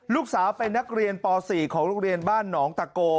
ลูกสาวเป็นนักเรียนป๔ของโรงเรียนบ้านหนองตะโก